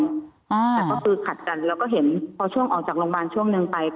แต่ก็คือขัดกันแล้วก็เห็นพอช่วงออกจากโรงพยาบาลช่วงหนึ่งไป